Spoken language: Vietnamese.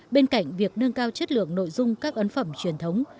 bên cạnh việc nâng cao chất lượng nội dung các ấn phẩm truyền thống